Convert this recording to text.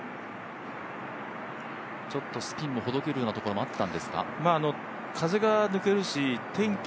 スピンもほどけるようなところがあったんですか？